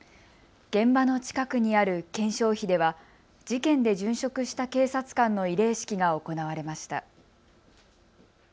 現場の近くにある顕彰碑では事件で殉職した警察官の慰霊式が行われました。